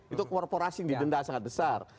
itu korporasi yang didenda sangat besar